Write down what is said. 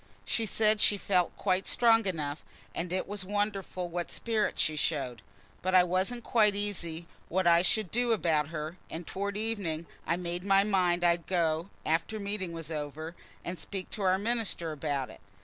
She said she felt quite strong enough; and it was wonderful what spirit she showed. But I wasn't quite easy what I should do about her, and towards evening I made up my mind I'd go, after Meeting was over, and speak to our minister about it.